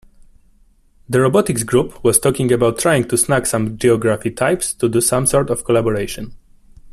The robotics group was talking about trying to snag some geography types to do some sort of collaboration.